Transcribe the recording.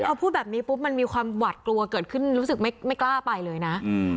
พอพูดแบบนี้ปุ๊บมันมีความหวัดกลัวเกิดขึ้นรู้สึกไม่กล้าไปเลยนะ